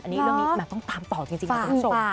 อันนี้เรื่องนี้ต้องตามต่อจริงนะคุณผู้ชม